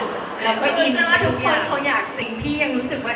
ถูกว่าทุกคนเขาอยากสิ่งพี่ยังรู้สึกว่า